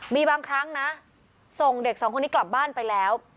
มีบางครั้งนะส่งเด็กสองคนนี้กลับบ้านไปแล้ว